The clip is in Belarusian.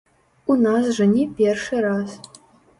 У нас жа не першы раз.